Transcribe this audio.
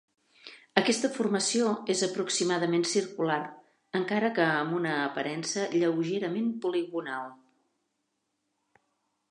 Aquesta formació és aproximadament circular, encara que amb una aparença lleugerament poligonal.